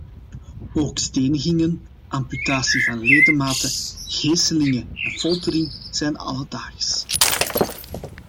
Ook stenigingen, amputatie van ledematen, geselingen en foltering zijn alledaags.